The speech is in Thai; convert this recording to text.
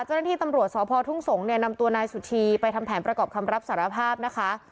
เจ้าหน้าที่ตำรวจสพทุ่งสงศ์เนี่ยนำตัวนายสุธีไปทำแผนประกอบคำรับสารภาพนะคะ